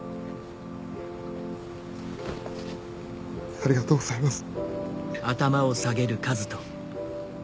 ありがとうございます。